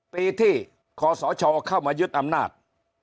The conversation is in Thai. ปีที่คศเข้ามายึดอำนาจ